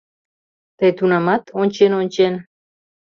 Тый тунамат, ончен-ончен